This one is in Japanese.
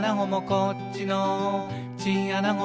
「こっちのチンアナゴも」